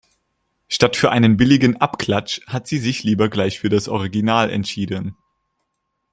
Statt für einen billigen Abklatsch hat sie sich lieber gleich für das Original entschieden.